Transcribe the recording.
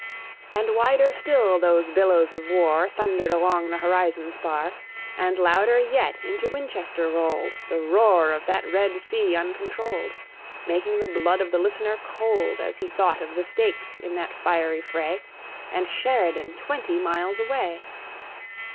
And wider still those billows of war Thundered along the horizon's bar; And louder yet into Winchester rolled The roar of that red sea uncontrolled, Making the blood of the listener cold As he thought of the stake in that fiery fray, And Sheridan twenty miles away.